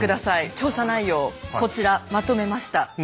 調査内容をこちらまとめました。